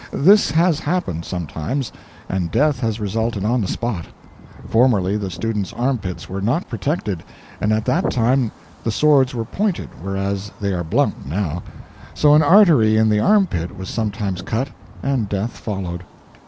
This has happened, sometimes, and death has resulted on the spot. Formerly the student's armpits were not protected and at that time the swords were pointed, whereas they are blunt, now; so an artery in the armpit was sometimes cut, and death followed.